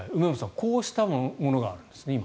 こうしたものがあるんですね。